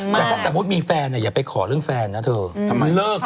แต่ถ้าสมมุติมีแฟนอย่าไปขอเรื่องแฟนนะเถอะ